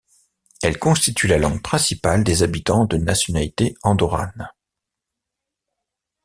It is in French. Elle constitue la langue principale des habitants de nationalité andorrane.